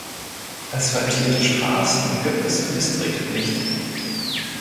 Asphaltierte Straßen gibt es im Distrikt nicht.